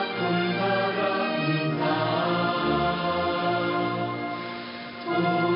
โทษรักษาแน่นสุขศาลิวัฒนธรรม